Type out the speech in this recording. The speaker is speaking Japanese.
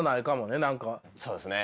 そうですね。